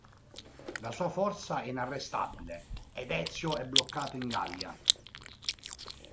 La sua forza è inarrestabile ed Ezio è bloccato in Gallia.